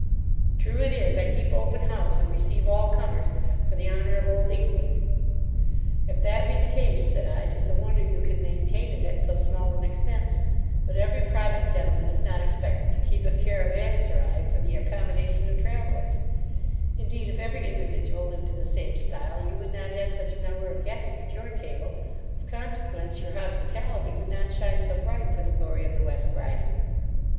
True it is, I keep open house, and receive all corners, for the honour of Old England.' 'If that be the case (said I), 'tis a wonder you can maintain it at so small an expence; but every private gentleman is not expected to keep a caravanserai for the accommodation of travellers: indeed, if every individual lived in the same stile, you would not have such a number of guests at your table, of consequence your hospitality would not shine so bright for the glory of the West Riding.